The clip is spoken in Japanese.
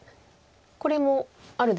これもあるんですか？